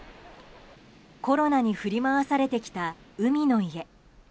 コロナに振り回されてきた海の家。